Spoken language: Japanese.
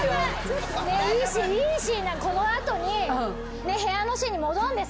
いいシーンこの後に部屋のシーンに戻るんですよね。